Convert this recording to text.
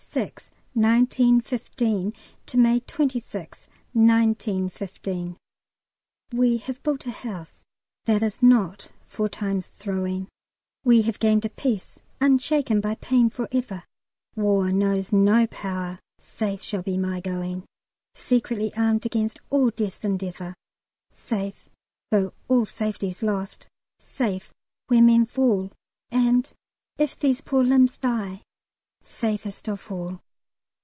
Field Ambulance (2) FESTUBERT, MAY 9 AND MAY 16 May 6, 1915, to May 26, 1915 "We have built a house that is not for Time's throwing; We have gained a peace unshaken by pain for ever. War knows no power. Safe shall be my going, Secretly armed against all death's endeavour. Safe though all safety's lost; safe where men fall; And if these poor limbs die, safest of all."